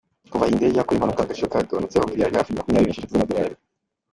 Kuva iyi ndege yakora impanuka, agaciro kagabanutseho miliyari hafi makumyabiri n’esheshatu z’amadolari